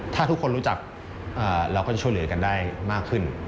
ถ้าทุกคนรู้จักเราก็จะช่วยเหลือกันได้มากขึ้น